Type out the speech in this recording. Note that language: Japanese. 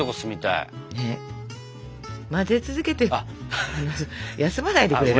混ぜ続けて休まないでくれる？